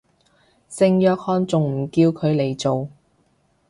聖約翰仲唔叫佢嚟做